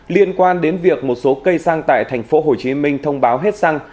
liên quan đến việc một số cây xăng tại tp hcm thông báo hết xăng